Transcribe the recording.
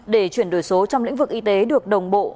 để chuyển đổi số trong lĩnh vực y tế được đồng bộ